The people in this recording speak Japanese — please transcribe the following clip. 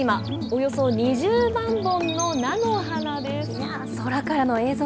およそ２０万本の菜の花です。